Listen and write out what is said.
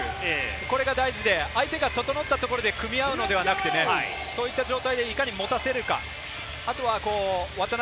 これが大事で、相手が整ったところで組み合うのではなく、そういった状態にいかに持っていけるか。